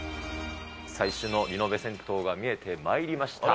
最初のリノベ銭湯が見えてまいりました。